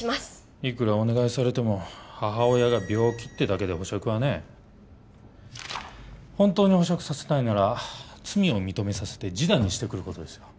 いくらお願いされても母親が病気ってだけで保釈はね本当に保釈させたいなら罪を認めさせて示談にしてくることですよ